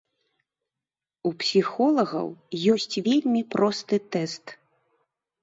У псіхолагаў ёсць вельмі просты тэст.